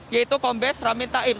yaitu kombes raminta ipsal